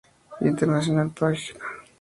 Internacional, pág.